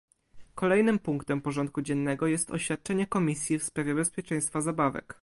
Kolejnym punktem porządku dziennego jest oświadczenie Komisji w sprawie bezpieczeństwa zabawek